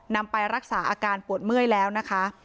นำไปรักษาอาการปวดเมื่อยแล้วนะคะ